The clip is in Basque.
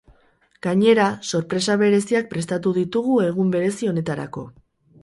Gainera sorpresa bereziak prestatu ditugu egun berezi honetarako.